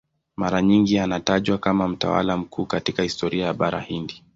Mara nyingi anatajwa kama mtawala mkuu katika historia ya Bara Hindi.